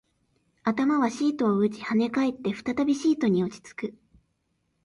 頭はシートを打ち、跳ね返って、再びシートに落ち着く